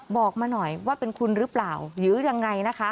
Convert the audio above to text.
บอกมาหน่อยว่าเป็นคุณหรือเปล่าหรือยังไงนะคะ